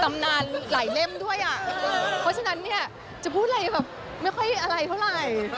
นานหลายเล่มด้วยอ่ะเพราะฉะนั้นเนี่ยจะพูดอะไรแบบไม่ค่อยอะไรเท่าไหร่